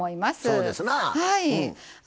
そうですなあ。